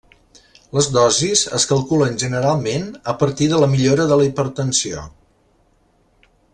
Les dosis es calculen generalment a partir de la millora de la hipertensió.